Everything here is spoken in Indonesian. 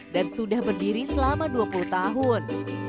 dan sudah berdiri selama dua puluh tahun